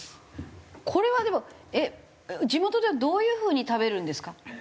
これはでもえっ地元ではどういうふうに食べるんですか？